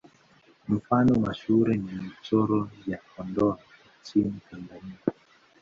Mfano mashuhuri ni Michoro ya Kondoa nchini Tanzania.